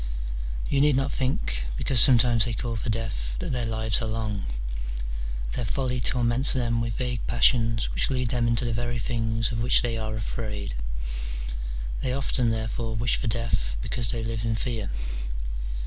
You need not think, because some times they call for death, that their lives are long : their folly torments them with vague passions which lead them into the very things of which they are afraid : they often, therefore, wish for death because they live in fear.